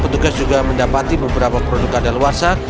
petugas juga mendapati beberapa produk ada luar sana